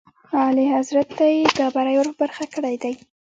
اعلیحضرت ته یې دا بری ور په برخه کړی دی.